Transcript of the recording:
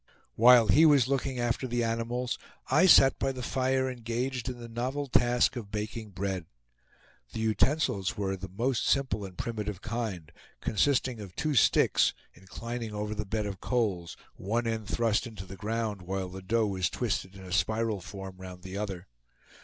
While he was looking after the animals, I sat by the fire engaged in the novel task of baking bread. The utensils were of the most simple and primitive kind, consisting of two sticks inclining over the bed of coals, one end thrust into the ground while the dough was twisted in a spiral form round the other.